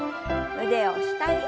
腕を下に。